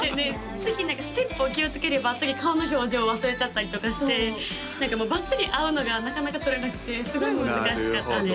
ステップを気をつければ次顔の表情忘れちゃったりとかしてばっちり合うのがなかなか撮れなくてすごい難しかったです